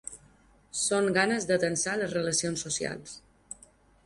Són ganes de tensar les relacions socials.